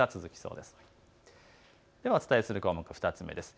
ではお伝えする項目、２つ目です。